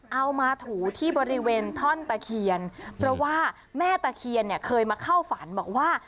เอามาถูที่บริเวณท่อนตะเคียนเพราะว่าแม่ตะเคียนเนี่ยเคยมาเข้าฝันบอกว่า